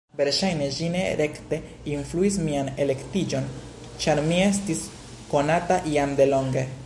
Verŝajne ĝi ne rekte influis mian elektiĝon, ĉar mi estis konata jam de longe.